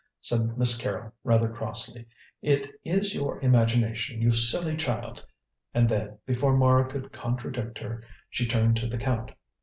said Miss Carrol, rather crossly; "it is your imagination, you silly child!" and then, before Mara could contradict her, she turned to the Count. "Mr.